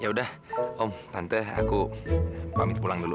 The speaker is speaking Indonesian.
yaudah om tante aku pamit pulang dulu